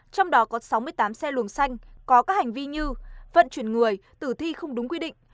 trong đó có sáu mươi tám xe luồng xanh có các hành vi như vận chuyển người tử thi không đúng quy định